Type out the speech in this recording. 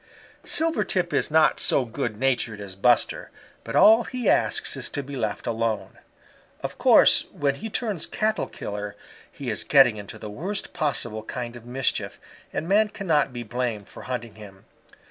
"Silvertip is not so good natured as Buster, but all he asks is to be left alone. Of course when he turns Cattle killer he is getting into the worst possible kind of mischief and man cannot be blamed for hunting him.